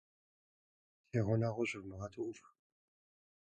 Си гъунэгъуу щывмыгъэту ӏуфх!